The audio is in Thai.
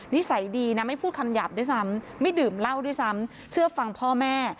นิสัยดีนะไม่พูดคำหยาบด้วยซ้ำไม่ดื่มเหล้าด้วยซ้ำเชื่อฟังพ่อแม่